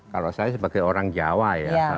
kalau saya sebagai orang jawa ya